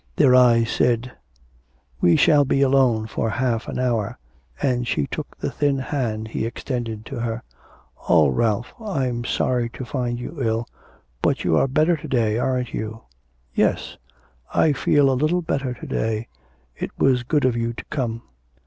Their eyes said, 'We shall be alone for half an hour,' and she took the thin hand he extended to her. 'Oh, Ralph, I'm sorry to find you ill.... But you're better to day, aren't you?' 'Yes, I feel a little better to day. It was good of you to come.'